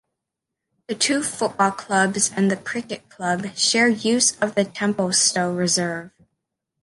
The two football clubs and the cricket club share use of the Templestowe Reserve.